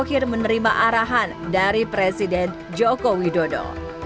dan saya juga menerima alasan yang menarik dari presiden joko widodo